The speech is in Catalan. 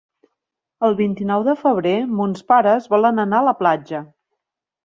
El vint-i-nou de febrer mons pares volen anar a la platja.